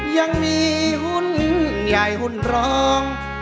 ยังมีหุ้นใหญ่หุ้นรอง